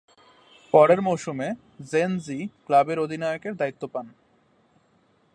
পরের মৌসুমে জেন জি ক্লাবের অধিনায়কের দায়িত্ব পান।